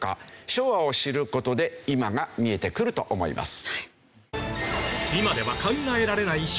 昭和を知る事で今が見えてくると思います。